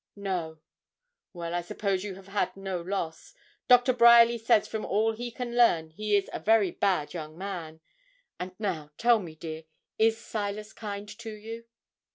'No.' 'Well, I suppose you have had no loss. Doctor Bryerly says from all he can learn he is a very bad young man. And now tell me, dear, is Silas kind to you?'